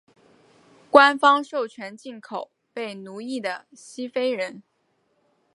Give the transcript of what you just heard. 官方授权进口被奴役的西非人。